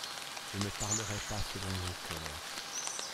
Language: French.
Je ne parlerais pas selon mon cœur !